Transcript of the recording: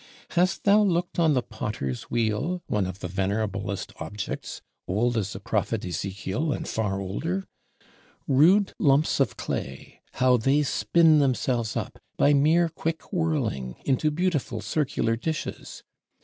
Hast thou looked on the Potter's wheel, one of the venerablest objects; old as the Prophet Ezekiel and far older? Rude lumps of clay, how they spin themselves up, by mere quick whirling, into beautiful circular dishes.